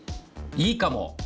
いいかも！